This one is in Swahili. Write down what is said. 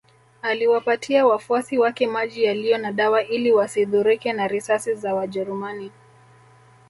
Aliwapatia wafuasi wake maji yaliyo na dawa ili wasidhurike na risasi za wajerumani